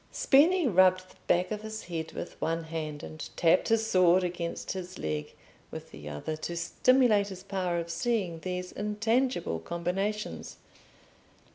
Spini rubbed the back of his head with one hand, and tapped his sword against his leg with the other, to stimulate his power of seeing these intangible combinations.